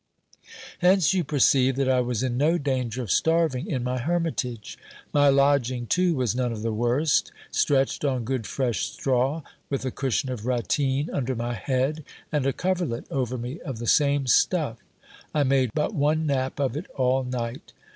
Hence you perceive that I was in no danger of starving in my hermitage. My lodging, too, was none of the worst : stretched on good fresh straw, with a cushion of ratteen under my head, and a coverlet over me of the same stuff. I made but one nap of it all night.